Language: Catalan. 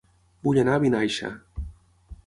Vull anar a Vinaixa